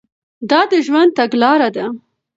دا د ژوند تګلاره ده.